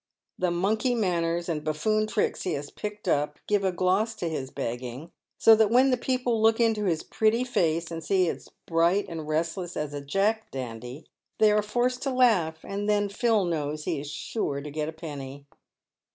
The monkey manners and buffoon tricks he has picked up give a gloss to his begging, so that when the people look into his pretty face and see it bright and restless as a jack a dandy, they are forced to laugh, and then Phil knows he is sure to get a penny.